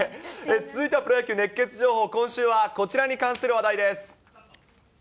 続いてはプロ野球熱ケツ情報、今週はこちらに関する話題です。